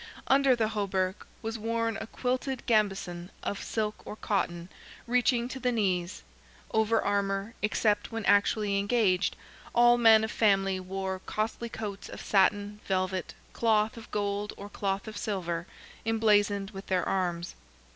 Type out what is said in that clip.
Under the hauberk was worn a quilted gambeson of silk or cotton, reaching to the knees; over armour, except when actually engaged, all men of family wore costly coats of satin, velvet, cloth of gold or cloth of silver, emblazoned with their arms.